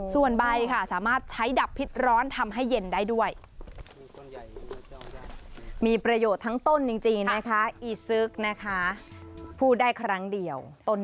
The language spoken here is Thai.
ส่วนใบค่ะสามารถใช้ดับพิษร้อนทำให้เย็นได้ด้วย